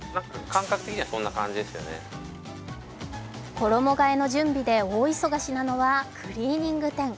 衣がえの準備で大忙しなのはクリーニング店。